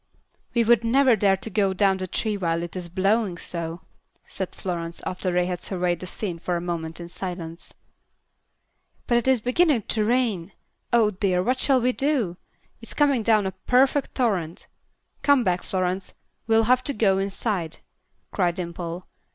"We would never dare to go down the tree while it is blowing so," said Florence, after they had surveyed the scene for a moment in silence. "But it is beginning to rain. Oh, dear! What shall we do? It's coming down a perfect torrent. Come back, Florence; we'll have to go inside," cried Dimple.